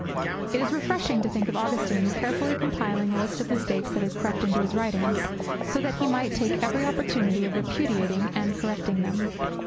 It is refreshing to think of Augustine carefully compiling a list of the mistakes that had crept into his writings, so that he might take every opportunity of repudiating and correcting them.